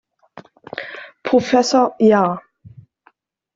Professor Ja.